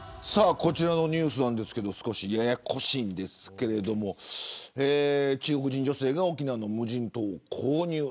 こちらのニュースですが少しややこしいんですが中国人女性が沖縄の無人島を購入。